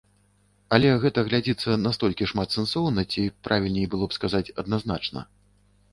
Але гэта глядзіцца настолькі шматсэнсоўна ці, правільней было б сказаць, адназначна.